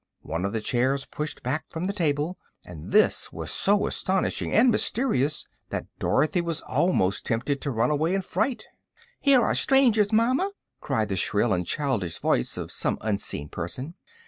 One of the chairs pushed back from the table, and this was so astonishing and mysterious that Dorothy was almost tempted to run away in fright. "Here are strangers, mama!" cried the shrill and childish voice of some unseen person.